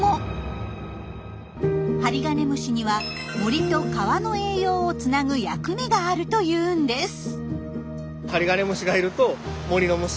ハリガネムシには森と川の栄養をつなぐ役目があるというんです。